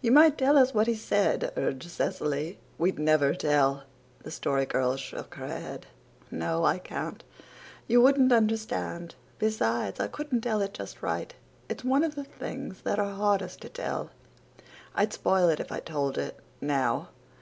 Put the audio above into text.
"You might tell us what he said," urged Cecily. "We'd never tell." The Story Girl shook her head. "No, I can't. You wouldn't understand. Besides, I couldn't tell it just right. It's one of the things that are hardest to tell. I'd spoil it if I told it now.